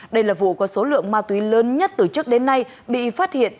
đây là vụ có số lượng ma túy lớn nhất từ trước đến nay bị phát hiện